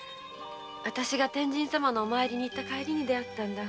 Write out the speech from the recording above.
あたしが天神様のお参りに行った帰りに出会ったんだ。